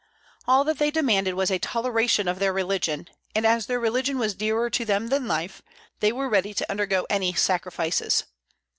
All that they demanded was a toleration of their religion; and as their religion was dearer to them than life, they were ready to undergo any sacrifices.